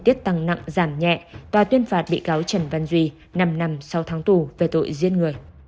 trạng nặng giảm nhẹ tòa tuyên phạt bị cáo trần văn duy năm năm sau tháng tù về tội giết người